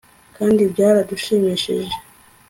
kandi byaradushimishije